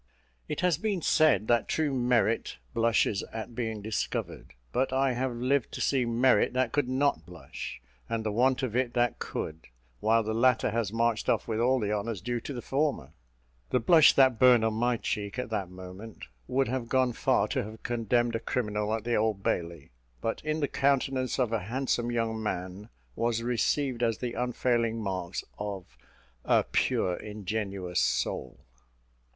It has been said that true merit blushes at being discovered; but I have lived to see merit that could not blush, and the want of it that could, while the latter has marched off with all the honours due to the former. The blush that burned on my cheek, at that moment, would have gone far to have condemned a criminal at the Old Bailey; but in the countenance of a handsome young man was received as the unfailing marks of "a pure ingenuous soul."